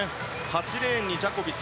８レーンにジャコビッチ。